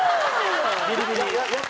ビリビリ？